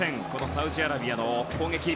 サウジアラビアの攻撃。